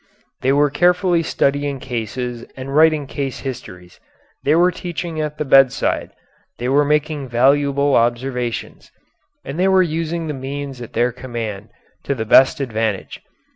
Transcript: They were carefully studying cases and writing case histories, they were teaching at the bedside, they were making valuable observations, and they were using the means at their command to the best advantage.